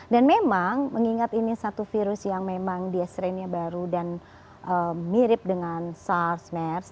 memang mengingat ini satu virus yang memang dia seringnya baru dan mirip dengan sars mers